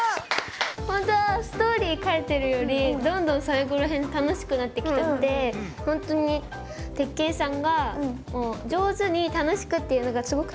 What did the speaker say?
ほんとはストーリー書いてるよりどんどん最後らへん楽しくなってきちゃってほんとに鉄拳さんが上手に楽しくっていうのがすごく